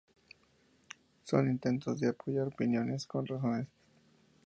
Son intentos de apoyar opiniones con razones.